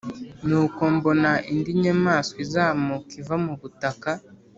Nuko mbona indi nyamaswa izamuka iva mu butaka.